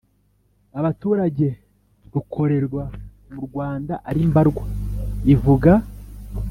abaturage rukorerwa mu rwanda ari mbarwa, ivuga